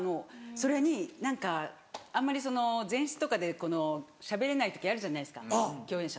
それに何かあんまりその前室とかでしゃべれない時あるじゃないですか共演者と。